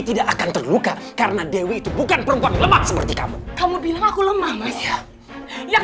tidak akan terluka karena dewi itu bukan perempuan lemah seperti kamu kamu bilang aku lemah yang